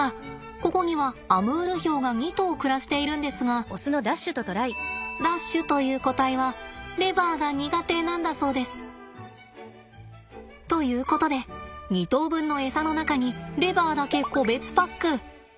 ここにはアムールヒョウが２頭暮らしているんですがダッシュという個体はレバーが苦手なんだそうです。ということで２頭分のエサの中にレバーだけ個別パック。